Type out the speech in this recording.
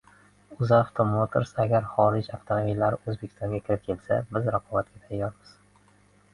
UzAuto Motors: «Agar xorij avtomobillari O‘zbekistonga kirib kelsa, biz raqobatga tayyormiz»